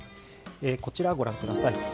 こちら、ご覧ください。